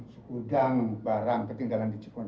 sekudang barang tertinggal di cikoneng